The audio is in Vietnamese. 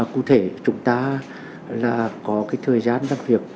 cụ thể chúng ta là có cái thời gian làm việc